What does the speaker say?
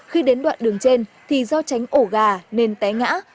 khi đến đoạn đường trên thì do tránh ổ gà nên té ngã